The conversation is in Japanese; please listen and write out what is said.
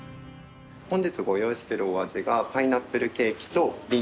本日ご用意してるお味が。